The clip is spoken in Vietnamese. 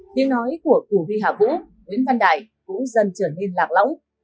tiếng nói của củ vi hạ vũ nguyễn văn đại cũng dần trở nên lạc lõng